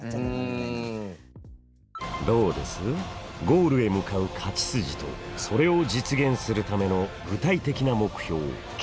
ゴールへ向かう勝ち筋とそれを実現するための具体的な目標ＫＰＩ。